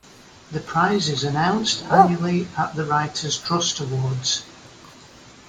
The prize is announced annually at the Writers' Trust Awards.